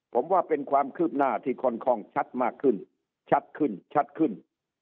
ผมว่าเป็นความคืบหน้าที่ค่อนข้างชัดมากขึ้นชัดขึ้นชัดขึ้น